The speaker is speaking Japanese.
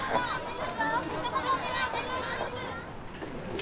一言お願いいたします